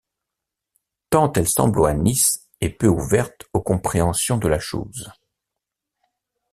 tant elle sembloyt nice et peu ouverte aux compréhensions de la chouse.